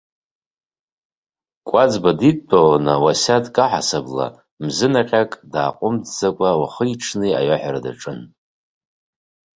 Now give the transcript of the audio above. Кәаӡба дидтәаланы уасиаҭк аҳасабала, мзынаҟьак дааҟәымҵӡакәа, уахи-ҽни иаҳәара даҿын.